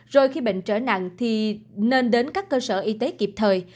rồi khi bệnh trở nặng thì nên đến các cơ sở y tế kịp thời